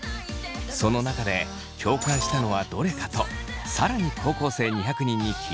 その中で共感したのはどれか？と更に高校生２００人に聞いてみました。